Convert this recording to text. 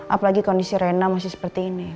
apalagi kondisi rena masih seperti ini